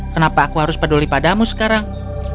kenapa aku harus peduli padamu sekarang